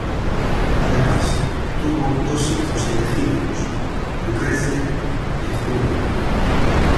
Además tuvo dos hijos ilegítimos, Lucrecia y Julio.